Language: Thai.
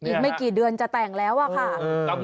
อีกไม่กี่เดือนจะแต่งแล้วอะค่ะ